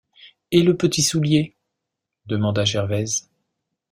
Et le petit soulier? demanda Gervaise.